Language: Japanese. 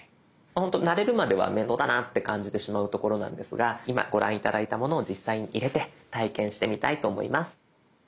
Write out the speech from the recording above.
ほんと慣れるまでは面倒だなって感じてしまうところなんですが今ご覧頂いたものを実際に入れて体験してみたいと思います。